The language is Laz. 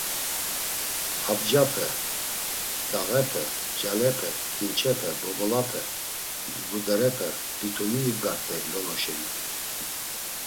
Abcape, dağepe, ncalepe, ǩinçepe, bobolape, mdzguderepe, bitumi ibgart̆ey Lolo şeni…